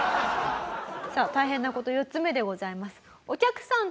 さあ大変な事４つ目でございます。